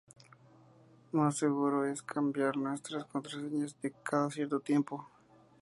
más seguro es cambiar nuestras contraseñas cada cierto tiempo